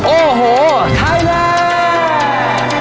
โอ้โหไทยแลนด์